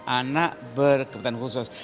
anak berkebutuhan khusus